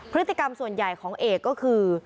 พฤติกรรมส่วนใหญ่ของเอกก็คือ